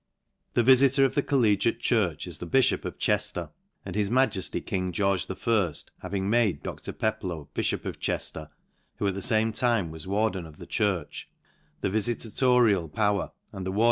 The vifitor of the collegiate church is. the bimop of Chejhr ; and his majefty king George I. having made Dr. Peploe bifhop of Chcjlcr, who .at the fame time was warden of the church, the vifiutorial; power and the ward.